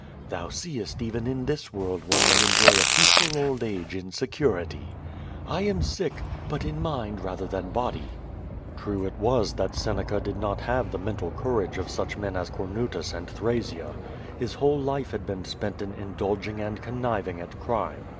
Thou seest even in this world one may enjoy a peaceful old age in security. I am sick — ^but in mind rather than body." True it was Seneca did not have the mental courage of such men as Comutus and Thrasea. His whole life had been spent in indulging and conniving at crime.